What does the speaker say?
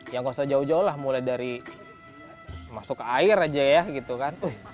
ya nggak usah jauh jauh lah mulai dari masuk ke air aja ya gitu kan